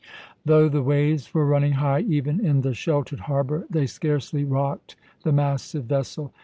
Though the waves were running high, even in the sheltered harbour, they scarcely rocked the massive vessel.